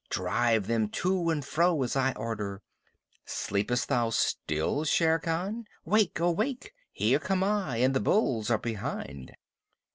Drive them to and fro as I order. Sleepest thou still, Shere Khan? Wake, oh, wake! Here come I, and the bulls are behind.